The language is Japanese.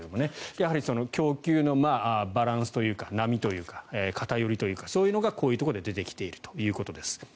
やはり供給のバランスというか波というか偏りというかそういうのがこういうところで出てきているということです。